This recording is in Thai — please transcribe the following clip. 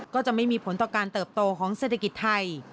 ก็จะไม่มีผลต่อการเติบโตของเศรษฐกิจไทย